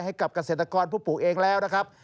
ให้กับเกษตรกรผู้ปลูกเองแล้วนะครับ